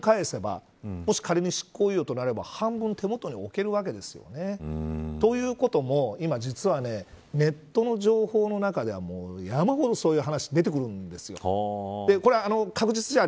であれば、彼４６００万円は移してしまって半分返せばもし仮に執行猶予となれば半分手元に置けるわけです。ということも今、実はネットの情報の中では、山ほどそういう話が出てくるんです。